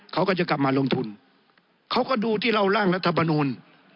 เขาก็จะกลับมาลงทุนเขาก็ดูที่เราร่างรัฐมนูล